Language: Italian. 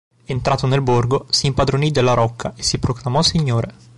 Entrato nel borgo si impadronì della rocca e si proclamò signore.